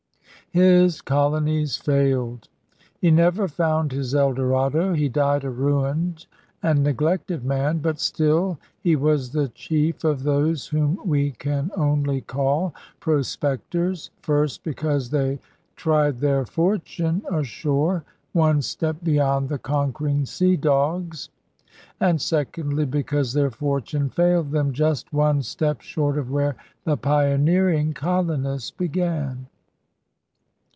His colonies failed. He never found his El Dorado. He died a ruined and neglected man. But still he was the chief of those whom we can only call prospectors, first, because they tried their fortune ashore, one step beyond the conquering sea dogs, and, secondly, because their fortune failed them just one step short of where the pioneering colonists began.